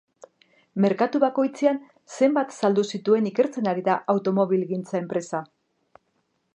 Merkatu bakoitzean zenbat saldu zituen ikertzen ari da automobilgintza enpresa.